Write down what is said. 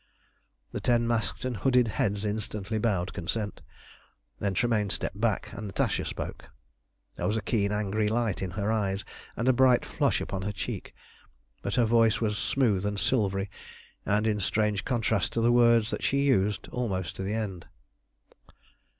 The ten masked and hooded heads instantly bowed consent. Then Tremayne stepped back again, and Natasha spoke. There was a keen, angry light in her eyes, and a bright flush upon her cheek, but her voice was smooth and silvery, and in strange contrast to the words that she used, almost to the end.